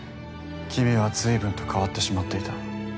君は随分と変わってしまっていた。